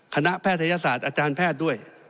แพทยศาสตร์อาจารย์แพทย์ด้วย